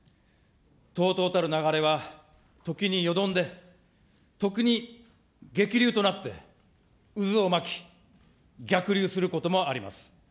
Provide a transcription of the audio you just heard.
とうとうたる流れは、時によどんで、時に激流となって渦を巻き、逆流することもあります。